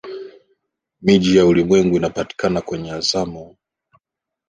miji ya ulimwengu Inapatikana kwenye Amazon Njia muhimu